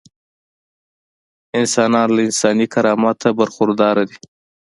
انسانان له انساني کرامته برخورداره دي.